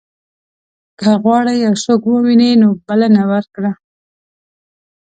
که غواړې یو څوک ووینې نو بلنه ورکړه.